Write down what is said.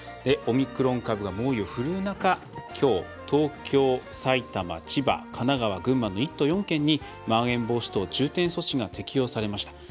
オミクロン株が猛威を振るう中きょう、東京、埼玉千葉、神奈川、群馬の１都４県にまん延防止等重点措置が適用されました。